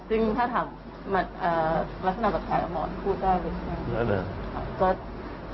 ซึ่งถ้าถามลักษณะบัตรภัยกับหมอนพูดได้เลยใช่ไหม